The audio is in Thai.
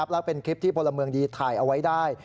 และเป็นคลิปที่พลเมืองดีถ่ายเอาไว้ได้